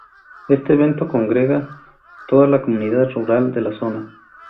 Este evento congrega toda la comunidad rural de la zona.